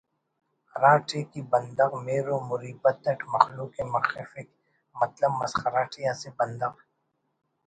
ہراٹی کہ بندغ مہر و مریبت اٹ مخلوق ءِ مخفک مطلب مسخرہ ٹی اسہ بندغ